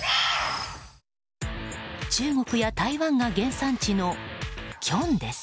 中国や台湾が原産地のキョンです。